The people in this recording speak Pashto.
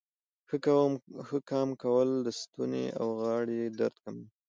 ښه قام کول د ستونې او غاړې درد کموي.